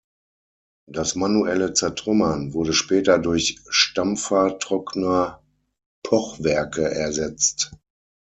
Das manuelle Zertrümmern wurde später durch Stampfer trockener Pochwerke ersetzt.